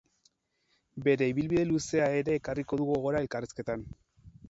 Bere ibilbide luzea ere ekarriko du gogora elkarrizketan.